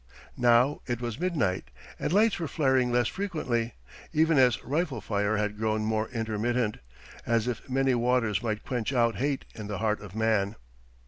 Now it was midnight, and lights were flaring less frequently, even as rifle fire had grown more intermittent ... as if many waters might quench out hate in the heart of man!